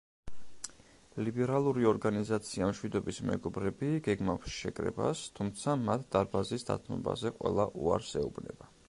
ლიბერალური ორგანიზაცია „მშვიდობის მეგობრები“ გეგმავს შეკრებას, თუმცა მათ დარბაზის დათმობაზე ყველა უარს ეუბნება.